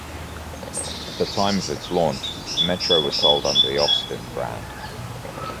At the time of its launch, the Metro was sold under the Austin brand.